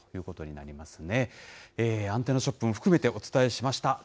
アンテナショップも含めて、お伝えしました。